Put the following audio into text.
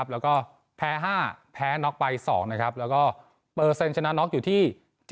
แล้วก็แพ้๕แพ้น็อกไป๒แล้วก็เปอร์เซ็นชนะน็อกอยู่ที่